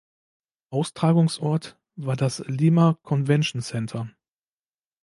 Austragungsort war das "Lima Convention Centre".